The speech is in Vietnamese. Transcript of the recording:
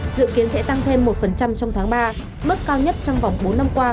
dự kiến sẽ tăng thêm một trong tháng ba mức cao nhất trong vòng bốn năm qua